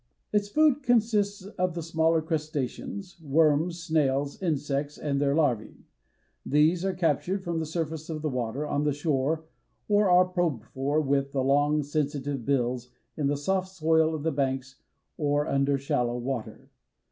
Its food consists of the smaller crustaceans, worms, snails, insects and their larvae. These are captured from the surface of the water, on the shore or are probed for, with the long, sensitive bills, in the soft soil of the banks or under shallow water.